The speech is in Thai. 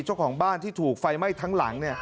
เจ้าของบ้านที่ถูกไฟไหม้ทั้งหลัง